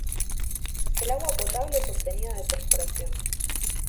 El agua potable es obtenida de perforación.